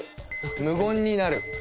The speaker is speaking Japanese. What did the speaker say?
無言になる。